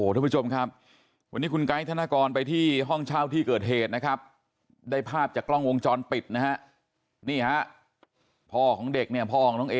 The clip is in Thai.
ได้ภาพจากกล้องวงจรปิดนะฮะนี่ฮะพ่อของเด็กเนี่ยพ่อของน้องเอ